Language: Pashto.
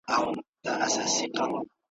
د خزان پر لمن پروت یم له بهار سره مي ژوند دی ,